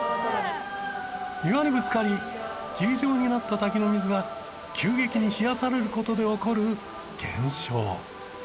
岩にぶつかり霧状になった滝の水が急激に冷やされる事で起こる現象。